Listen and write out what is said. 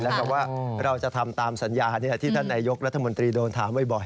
แล้วก็ว่าเราจะทำตามสัญญาที่ท่านนายกรัฐมนตรีโดนถามบ่อย